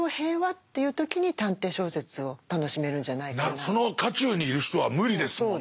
まあでもその渦中にいる人は無理ですもんね。